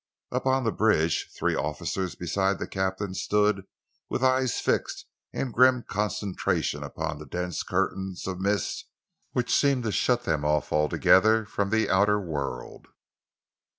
Up on the bridge, three officers besides the captain stood with eyes fixed in grim concentration upon the dense curtains of mist which seemed to shut them off altogether from the outer world.